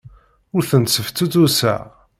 Ur ten-sseftutuseɣ.